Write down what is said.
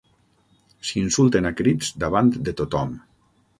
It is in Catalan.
S'insulten a crits davant de tothom.